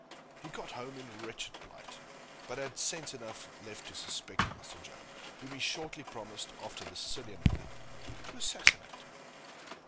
He got home in wretched plight, but had sense enough left to suspect Master Joe, whom he shortly promised, after the Sicilian manner, to assassinate.